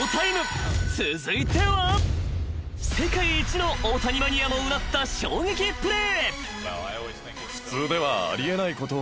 ［世界一の大谷マニアもうなった衝撃プレー］